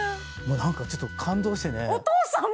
何かちょっと感動してね。